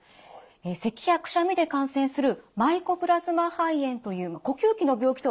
せきやくしゃみで感染するマイコプラズマ肺炎という呼吸器の病気とは異なる性感染症です。